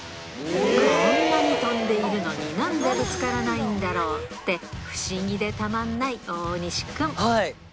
こんなに飛んでいるのに、なんでぶつからないんだろうって不思議でたまんない大西君。